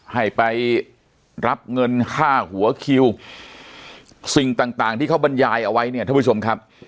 ให้ไปรับเงินค่าหัวคิวสิ่งต่างต่างที่เขาบรรยายเอาไว้เนี่ยท่านผู้ชมครับ